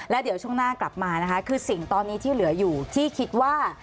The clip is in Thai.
แล้วเดี๋ยวช่วงหน้ากลับมานะคะคือสิ่งตอนนี้ที่เหลืออยู่ที่คิดว่า